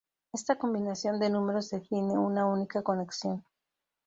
Esta combinación de números define una única conexión.